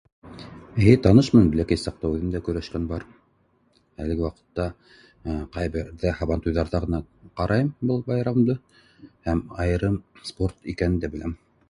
Эйе танышмын бәләкәй саҡта үҙем дә көрәшкән бар, әлеге ваҡытта ҡайһы берҙә һабантуйҙарҙа ғына ҡарайым был байрамды һәм айырым спорт икәнен дә беләм